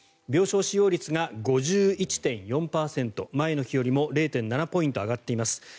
病床使用率が５１．４％前の日よりも０．７ポイント上がっています。